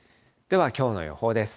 では、きょうの予報です。